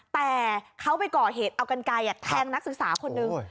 แต่เขาไปก่อเหตุเอากันไกลแทงนักศึกษาคนนึง